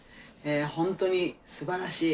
本当に、すばらしい。